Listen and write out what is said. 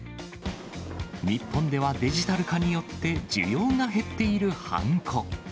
日本ではデジタル化によって需要が減っているはんこ。